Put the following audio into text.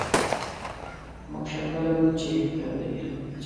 موږ شک نه لرو چې که د ایران پاچا.